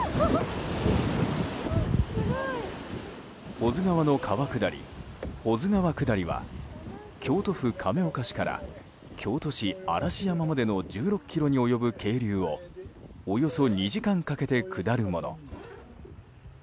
保津川の川下り、保津川下りは京都府亀岡市から京都市嵐山までの１６ｋｍに及ぶ渓流をおよそ２時間かけて下るもの。